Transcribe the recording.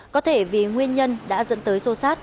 có thể vì nguyên nhân đã dẫn tới sô sát